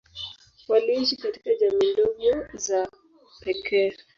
Waliishi katika jamii ndogo za pekee.